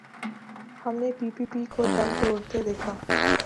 ہم نے P P P کو دم توڑتے دیکھا۔